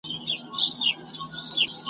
څه تخمونه د فساد مو دي شيندلي `